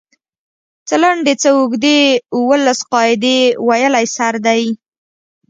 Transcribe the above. څۀ لنډې څۀ اوږدې اووه لس قاعدې ويلی سر دی